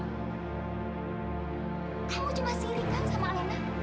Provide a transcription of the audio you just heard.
kamu cuma sirikan sama alena